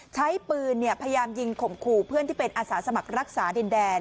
ใช้ปืนพยายามยิงข่มขู่เพื่อนที่เป็นอาสาสมัครรักษาดินแดน